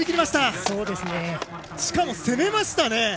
しかも攻めましたね！